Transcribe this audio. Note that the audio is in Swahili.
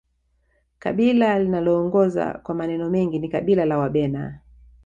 kabila linaloongoza kwa maneno mengi ni kabila la wabena